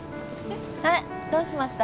あれどうしました？